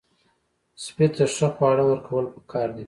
سپي ته ښه خواړه ورکول پکار دي.